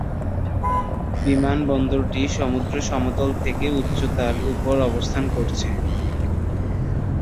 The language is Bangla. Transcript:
বিমানবন্দরটি সমুদ্র সমতল থেকে উচ্চতার উপর অবস্থান করছে।